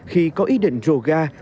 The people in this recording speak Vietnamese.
khi có ý định rồ ga